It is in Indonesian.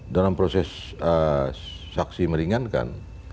dalam proses saksi meringankan